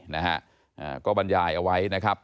นะฮะก็บัญญาเอาไว้นะครับ